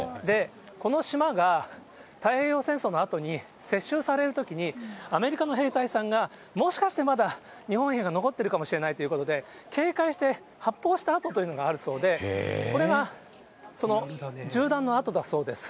この島が太平洋戦争のあとに、接収されるときにアメリカの兵隊さんが、もしかしてまだ日本兵が残ってるかもしれないということで、警戒して発砲した痕というのがあるそうで、これがその銃弾の跡だそうです。